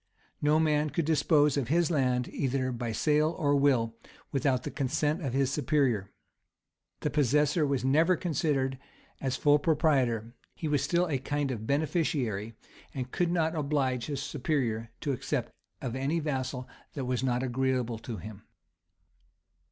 [] No man could dispose of his land, either by sale or will, without the consent of his superior. The possessor was never considered as full proprietor; he was still a kind of beneficiary; and could not oblige his superior to accept of any vassal that was not agreeable to him.